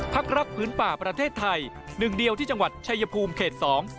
พักรักพื้นป่าประเทศไทยหนึ่งเดียวที่จังหวัดชายภูมิเขตสอง